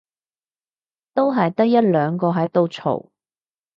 都係得一兩個喺度嘈